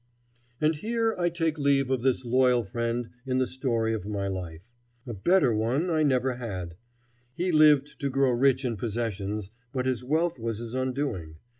And here I take leave of this loyal friend in the story of my life. A better one I never had. He lived to grow rich in possessions, but his wealth was his undoing.